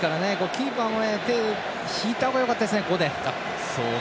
キーパーも手を引いた方がよかったですね。